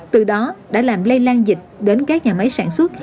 từ đó đã làm lây lan dịch đến các nhà máy sản xuất